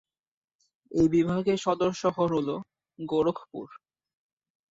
এই বিভাগের সদর শহর হল গোরখপুর।